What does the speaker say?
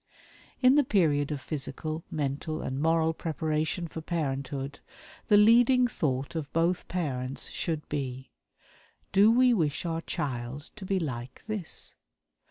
In the period of physical, mental, and moral preparation for parenthood the leading thought of both parents should be: "DO WE WISH OUR CHILD TO BE LIKE THIS?"